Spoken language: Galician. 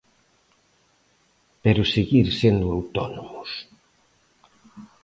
Pero seguir sendo autónomos.